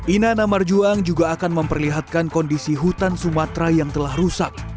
ina namarjuang juga akan memperlihatkan kondisi hutan sumatera yang telah rusak